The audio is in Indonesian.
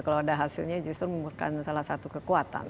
kalau ada hasilnya justru menggunakan salah satu kekuatan